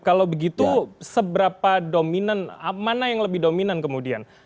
kalau begitu seberapa dominan mana yang lebih dominan kemudian